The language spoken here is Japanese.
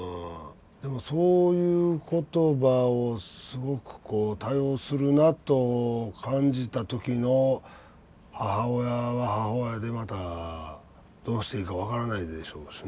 でもそういう言葉をすごくこう多用するなと感じた時の母親は母親でまたどうしていいか分からないでしょうしねうん。